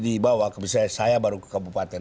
dibawah misalnya saya baru ke kabupaten